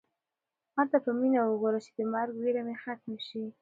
ما ته په مینه وګوره چې د مرګ وېره مې ختمه شي.